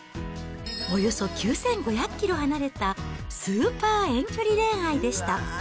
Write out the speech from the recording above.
およそ９５００キロ離れたスーパー遠距離恋愛でした。